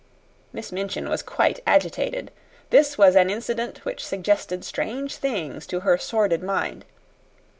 Miss Minchin was quite agitated. This was an incident which suggested strange things to her sordid mind.